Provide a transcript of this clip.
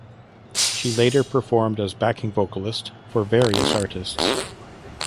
She later performed as backing vocalist for various artists.